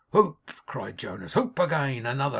'Whoop!' cried Jonas. 'Whoop! again! another!